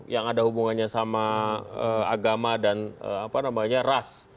yang ada hubungannya sama agama dan ras